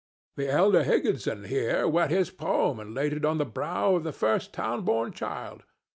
The elder Higginson here wet his palm and laid it on the brow of the first town born child.